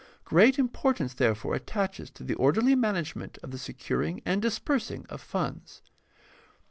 Great importance, therefore, attaches to the orderly management of the securing and disbursing of funds.